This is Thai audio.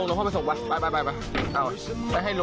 เจอแรงไหร่